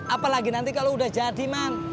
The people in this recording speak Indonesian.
apalagi nanti kalau udah jadi man